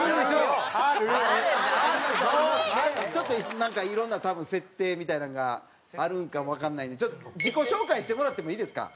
ちょっとなんかいろんな多分設定みたいなのがあるんかもわかんないんでちょっと自己紹介してもらってもいいですか？